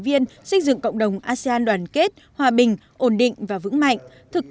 trên cơ sở hiến trương asean gắn kết toàn diện sâu rộng trên các trụ cột